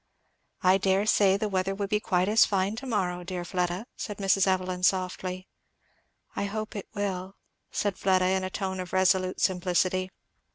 "I dare say the weather will be quite as fine to morrow, dear Fleda," said Mrs. Evelyn softly. "I hope it will," said Fleda in a tone of resolute simplicity.